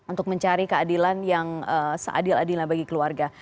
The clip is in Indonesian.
untuk mencari keadilan yang seadil adil bagi keluarga